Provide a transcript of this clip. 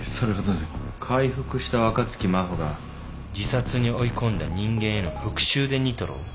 回復した若槻真帆が自殺に追い込んだ人間への復讐でニトロを。